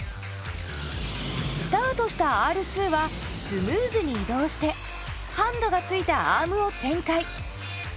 スタートしたＲ２はスムーズに移動してハンドが付いたアームを展開。